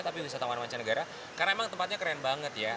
tapi wisatawan mancanegara karena emang tempatnya keren banget ya